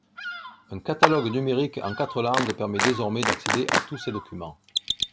Un catalogue numérique en quatre langues permet désormais d'accéder à tous ces documents.